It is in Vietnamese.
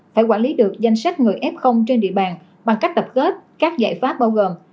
phải quản lý được danh sách người f trên địa bàn bằng cách tập kết các giải pháp bao gồm